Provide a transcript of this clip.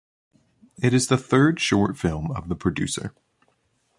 It is the third short film of the producer.